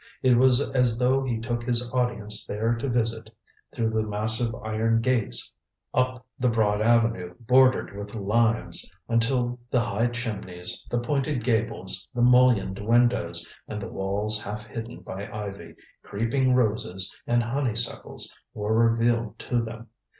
It was as though he took his audience there to visit through the massive iron gates up the broad avenue bordered with limes, until the high chimneys, the pointed gables, the mullioned windows, and the walls half hidden by ivy, creeping roses and honeysuckles were revealed to them.